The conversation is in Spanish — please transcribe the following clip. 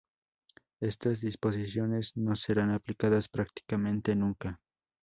Estas disposiciones no serán aplicadas prácticamente nunca.